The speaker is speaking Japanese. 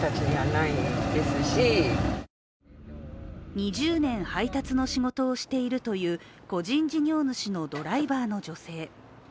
２０年配達の仕事をしているという個人事業主のドライバーの女性。